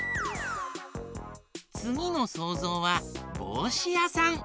つぎのそうぞうはぼうしやさん。